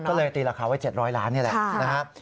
ก็เลยตีราคาไว้๗๐๐ล้านนี่แหละนะครับ